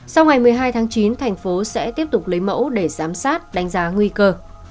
sau ngày một mươi hai tháng chín thành phố sẽ tiếp tục lấy mẫu để giám sát đánh giá nguy cơ